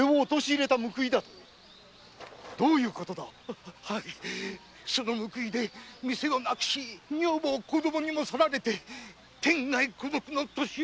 どういうことだその報いで店をなくし女房子供にも去られ天涯孤独の年寄りに。